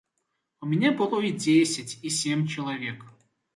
У мяне было і дзесяць і сем чалавек.